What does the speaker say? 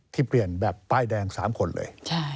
ที่เปลี่ยนแบบป้ายแดง๓คนเลย